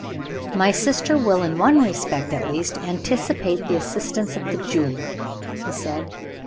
"My sister will in one respect at least anticipate the assistance of the jeweler," he said.